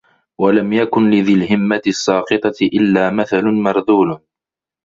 وَلَمْ يَكُنْ لِذِي الْهِمَّةِ السَّاقِطَةِ إلَّا مَثَلٌ مَرْذُولٌ